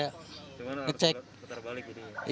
cuman harus ketar balik gini ya